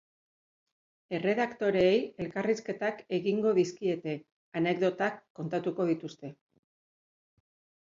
Erredaktoreei elkarrizketak egingo dizkiete, anekdotak kontatuko dituzte.